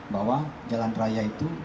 bahwa jalan raya itu